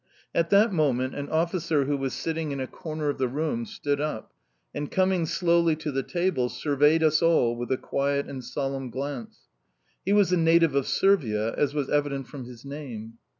At that moment an officer who was sitting in a corner of the room stood up, and, coming slowly to the table, surveyed us all with a quiet and solemn glance. He was a native of Servia, as was evident from his name.